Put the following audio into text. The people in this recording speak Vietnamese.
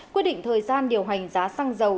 quyết định thời gian điều hành giá xăng dầu